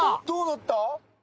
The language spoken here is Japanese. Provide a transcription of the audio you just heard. どうなった？